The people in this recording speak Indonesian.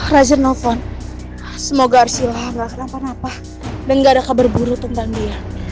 raja nelfon semoga arsila gak kenapa napa dan gak ada kabar buru tentang dia